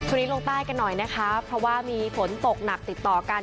นี้ลงใต้กันหน่อยนะคะเพราะว่ามีฝนตกหนักติดต่อกัน